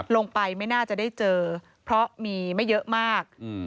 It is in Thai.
ไม่น่าจะได้เจอเพราะมีไม่เยอะมาก